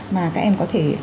mà các em có thể